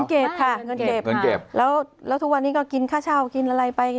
เก็บค่ะเงินเก็บเงินเก็บแล้วแล้วทุกวันนี้ก็กินค่าเช่ากินอะไรไป